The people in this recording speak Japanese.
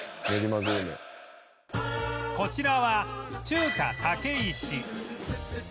こちらは中華たけいし